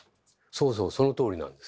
そうそうそのとおりなんです。